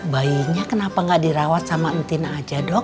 bayinya kenapa nggak dirawat sama entina aja dok